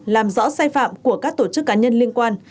làm rõ sai phạm của các tổ chức cá nhân liên quan